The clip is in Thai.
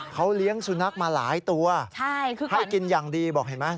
เขาเลี้ยงสุนัขมาหลายตัวให้กินอย่างดีบอกเห็นไหม